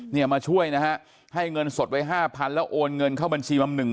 เนี่ยมาช่วยนะฮะให้เงินสดไว้ห้าพันแล้วโอนเงินเข้าบัญชีบำหนึ่ง